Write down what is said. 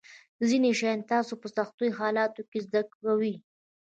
ځینې شیان تاسو په سختو حالاتو کې زده کوئ.